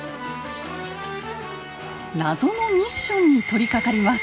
謎のミッションに取りかかります。